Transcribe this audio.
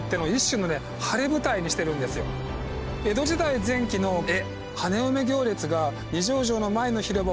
江戸時代前期の絵。